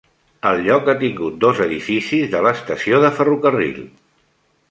El lloc ha tingut dos edificis de l'estació de ferrocarril.